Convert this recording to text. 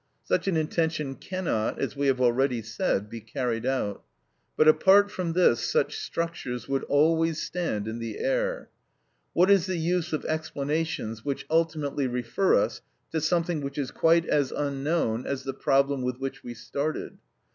Such an intention cannot, as we have already said, be carried out. But apart from this, such structures would always stand in the air. What is the use of explanations which ultimately refer us to something which is quite as unknown as the problem with which we started?